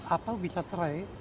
atau bisa cerai